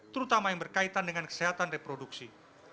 terutama yang berkaitan dengan kesehatan reproduksi